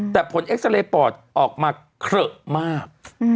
แต่ผลเอ็กซาเรย์ปอดออกมาเขละมาก